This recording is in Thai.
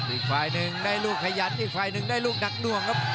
อีกฝ่ายหนึ่งได้ลูกขยันอีกฝ่ายหนึ่งได้ลูกหนักหน่วงครับ